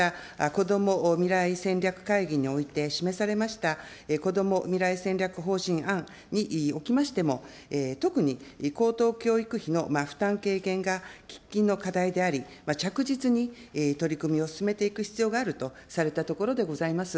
こども未来戦略会議において示されました、こども未来戦略方針案におきましても、特に高等教育費の負担軽減が喫緊の課題であり、着実に取り組みを進めていく必要があるとされたところでございます。